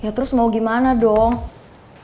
ya terus mau gimana dong